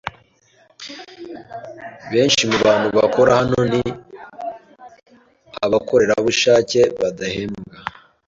Benshi mubantu bakora hano ni abakorerabushake badahembwa.